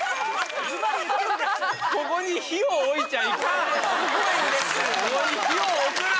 ここに火を置いちゃいかん！